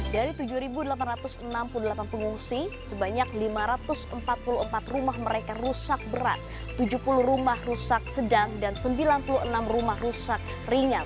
dari tujuh delapan ratus enam puluh delapan pengungsi sebanyak lima ratus empat puluh empat rumah mereka rusak berat tujuh puluh rumah rusak sedang dan sembilan puluh enam rumah rusak ringan